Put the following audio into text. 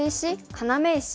要石？」。